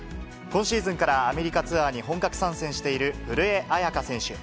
今シーズンからアメリカツアーに本格参戦している古江彩佳選手。